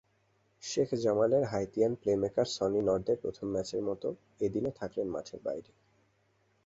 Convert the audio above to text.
শেখ জামালের Haitian playmaker Sony নর্দে প্রথম ম্যাচের মতো এদিনও থাকলেন মাঠের বাইরে।